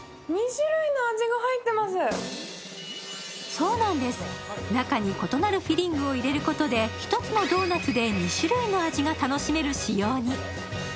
そうなんです、中に異なるフィリングを入れることで１つのドーナツで２種類の味が楽しめる仕様に。